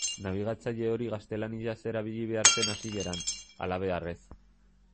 Nabigatzaile hori gaztelaniaz erabili behar zen hasieran, halabeharrez.